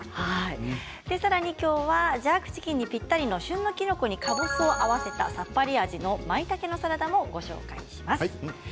さらにジャークチキンにぴったりの旬のきのこに、かぼすを合わせたさっぱり味のまいたけのサラダもご紹介します。